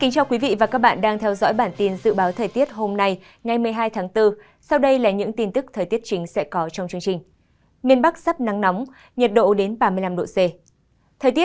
các bạn hãy đăng ký kênh để ủng hộ kênh của chúng mình nhé